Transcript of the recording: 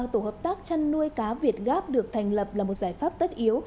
tổ hợp tác chăn nuôi cá việt gáp được thành lập là một giải pháp tất yếu